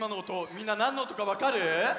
みんななんのおとかわかる？